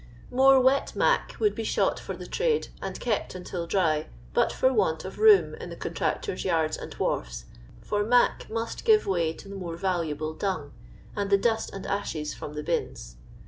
More wet "mac" would be shot for the trade, and kept until dry, but for want of room in the contractors' yards and wharfs ; for "mac" must give way to the more valuable dung, and the dust and ashes from the bins.